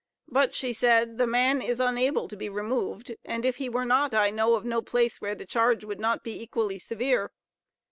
But, she said, the man "is unable to be removed; and if he were not, I know of no place where the charge would not be equally severe."